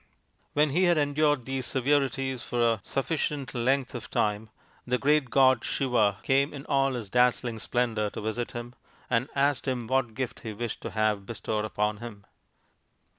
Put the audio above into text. When he had endured these severities for a sufficient length of time the great god Siva came in all his dazzling splendour to visit him, and asked him what gift he wished to have bestowed upon him.